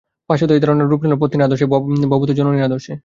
পাশ্চাত্যে এই ধারণা রূপ নিল পত্নীর আদর্শে, ভারতে জননীর আদর্শে।